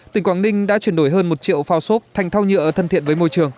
tỉnh quảng ninh đã chuyển đổi hơn một triệu phao sốt thành thao nhựa thân thiện với môi trường